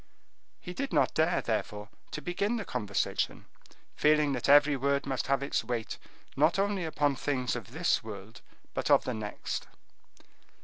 He did not dare, therefore, to begin the conversation, feeling that every word must have its weight not only upon things of this world, but of the next.